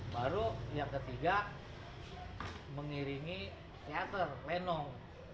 baru yang ketiga mengiringi teater lenong